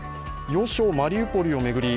要衝マリウポリを巡り